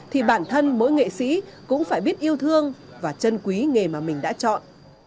thì bản thân mỗi nghệ sĩ cũng phải biết yêu thương và chân quý nghề mà mình đã chọn